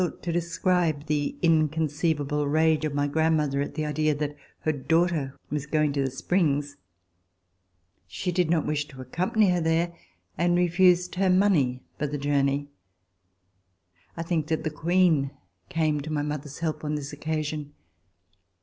It would be difficult to describe the inconceivable rage of my grandmother at the idea that her daughter was going to the springs. She did not wish to accompany her there and refused her money for the journey. I think DEATH OF MME. DILLON that the Queen came to my mother's help on this occasion.